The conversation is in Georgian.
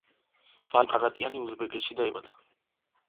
ვადიმ ხარატიანი უზბეკეთში დაიბადა.